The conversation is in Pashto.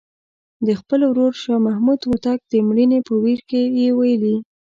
د خپل ورور شاه محمود هوتک د مړینې په ویر کې یې ویلي.